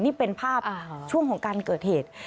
นี่เป็นภาพช่วงของการเกิดเหตุ